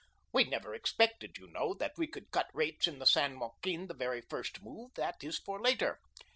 "We never expected, you know, that we could cut rates in the San Joaquin the very first move; that is for later.